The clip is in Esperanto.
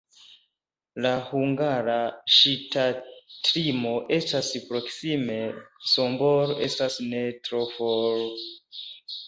La hungara ŝtatlimo estas proksime, Sombor estas ne tro for.